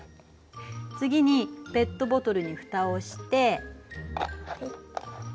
次にペットボトルにふたをして。